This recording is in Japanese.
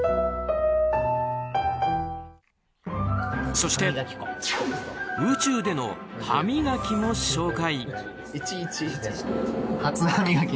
そして、宇宙での歯磨きも紹介。